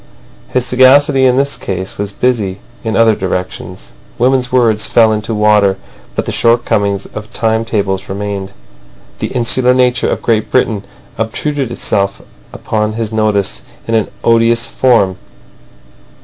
His sagacity in this case was busy in other directions. Women's words fell into water, but the shortcomings of time tables remained. The insular nature of Great Britain obtruded itself upon his notice in an odious form.